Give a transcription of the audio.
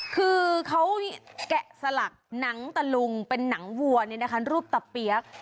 คือเขาแกะสลักหนังตะลุงเป็นหนังวัวรูปตะเปี๊ยก